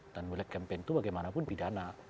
dan black campaign itu bagaimanapun pidana